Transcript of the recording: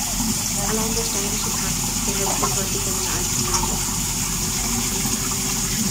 Allein der „Steirische Tanz“ behält bis heute seinen alten Namen.